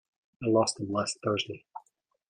I lost them last Thursday.